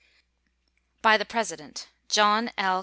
By the President: JOHN L.